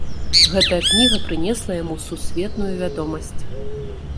Гэтая кніга прынесла яму сусветную вядомасць.